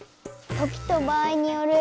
時と場合による。